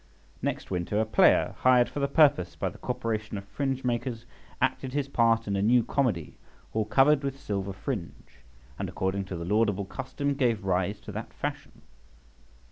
Next winter a player, hired for the purpose by the Corporation of Fringemakers, acted his part in a new comedy, all covered with silver fringe {78b}, and according to the laudable custom gave rise to that fashion.